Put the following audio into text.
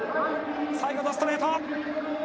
最後のストレート。